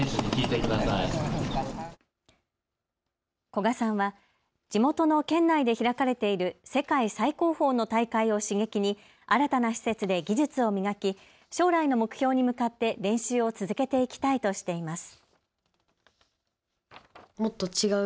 古賀さんは地元の県内で開かれている世界最高峰の大会を刺激に新たな施設で技術を磨き将来の目標に向かって練習を続けていきたいとしています。